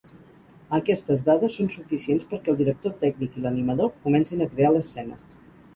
Aquestes dades són suficients perquè el director tècnic i l’animador comencin a crear l’escena.